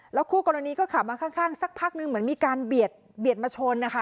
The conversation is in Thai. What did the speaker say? แล้วคู่กรณีก็ขับมาข้างข้างสักพักหนึ่งเหมือนมีการเบียดเบียดมาชนนะคะ